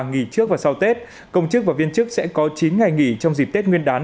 nghỉ trước và sau tết công chức và viên chức sẽ có chín ngày nghỉ trong dịp tết nguyên đán